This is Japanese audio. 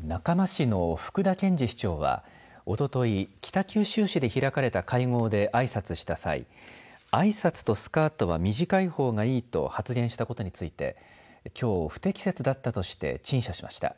中間市の福田健次市長はおととい北九州市で開かれた会合であいさつした際あいさつとスカートは短いほうがいいと発言したことについてきょう、不適切だったとして陳謝しました。